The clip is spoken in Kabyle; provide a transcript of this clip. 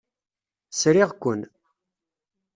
Sriɣ-ken.